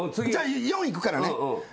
肆いくからね。